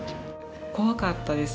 怖かったです。